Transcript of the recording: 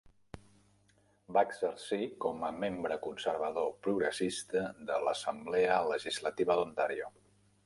Va exercir com a membre conservador progressista de l'Assemblea Legislativa d'Ontario.